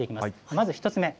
まず１つ目。